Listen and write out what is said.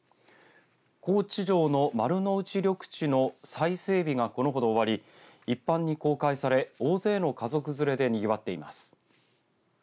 高知城の丸ノ内緑地の再整備が、このほど終わり一般に公開され大勢の家族連れでにぎわっています。